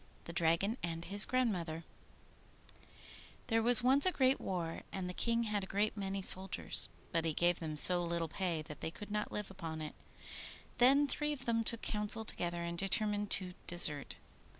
THE DRAGON AND HIS GRANDMOTHER There was once a great war, and the King had a great many soldiers, but he gave them so little pay that they could not live upon it. Then three of them took counsel together and determined to desert.